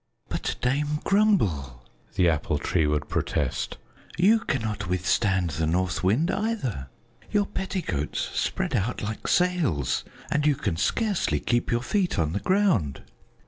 "But, Dame Grumble," the Apple Tree would protest, "you cannot withstand the North Wind, either. Your petticoats spread out like sails, and you can scarcely keep your feet on the ground."